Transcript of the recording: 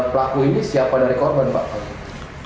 pelaku ini siapa dari korban pak